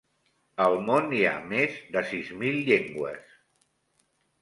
Al món hi ha més de sis mil llengües.